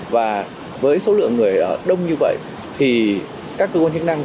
và với số lượng người ở đông như vậy thì các cơ quan chức năng